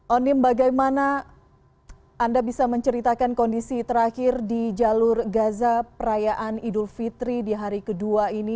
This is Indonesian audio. onim bagaimana anda bisa menceritakan kondisi terakhir di jalur gaza perayaan idul fitri di hari kedua ini